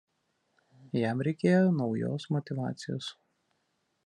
Jam reikėjo naujos motyvacijos.